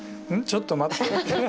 ちょっと待ってって。